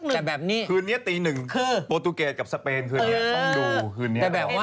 แต่แบบนี้คืนนี้ตีหนึ่งโปรตูเกตกับสเปนคืนนี้ต้องดูคืนนี้